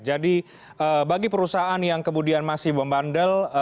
jadi bagi perusahaan yang kemudian masih membandel